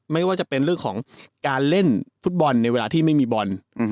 ไม่ว่าจะเป็นเรื่องของการเล่นฟุตบอลในเวลาที่ไม่มีบอล